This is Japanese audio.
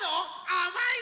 あまいの？